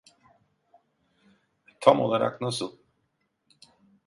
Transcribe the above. Tam olarak nasıl?